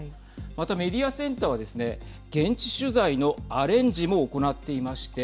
また、メディアセンターはですね現地取材のアレンジも行っていまして。